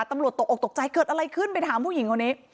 ตกออกตกใจเกิดอะไรขึ้นไปถามผู้หญิงคนนี้